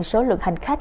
số lượng hành khách